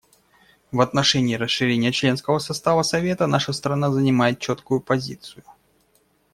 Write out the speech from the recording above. В отношении расширения членского состава Совета наша страна занимает четкую позицию.